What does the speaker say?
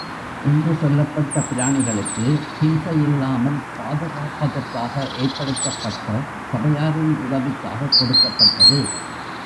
என்று சொல்லப்பட்ட, பிராணிகளுக்கு ஹிம்சையில்லாமல் பாதுகாப்பதற்காக ஏற்படுத்தப்பட்ட சபையாரின் உதவிக் காகக் கொடுக்கப்பட்டது.